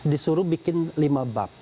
disuruh bikin lima bab